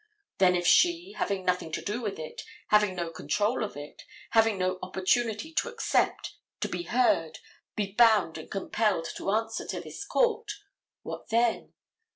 Then if she, having nothing to do with it, having no control of it, having no opportunity to accept, to be heard, be bound and compelled to answer to this court, what then?